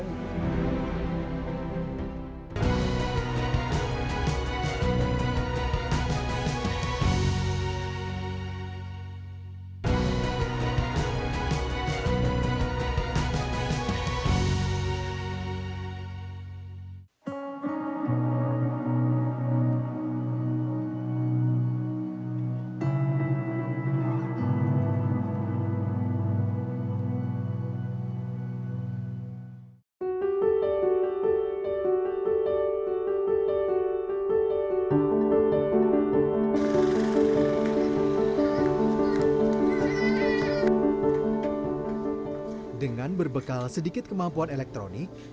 dengan berbekal sedikit kemampuan elektronik